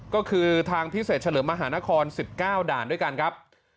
ก็คือทางพิเศษเฉลิมมหานคร๑๙ด่านด้วยกันครับ